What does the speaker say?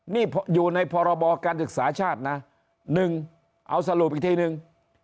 นี่อยู่ในพรบการศึกษาชาตินะ๑เอาสรุปอีกทีนึง